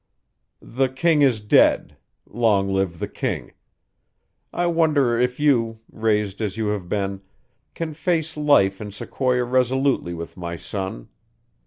"'The king is dead. Long live the king.' I wonder if you, raised as you have been, can face life in Sequoia resolutely with my son.